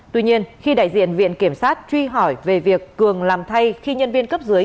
tuy nhiên khi đại diện viện kiểm sát truy hỏi về việc cường làm thay khi nhân viên cấp dưới